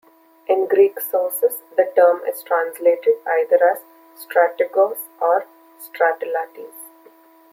In Greek sources, the term is translated either as "strategos" or as "stratelates".